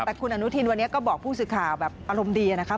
แต่คุณอนุทินวันนี้ก็บอกผู้สื่อข่าวแบบอารมณ์ดีนะครับ